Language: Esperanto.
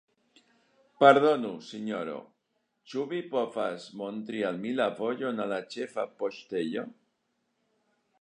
Pardonu, Sinjoro, ĉu vi povas montri al mi la vojon al la ĉefa poŝtejo?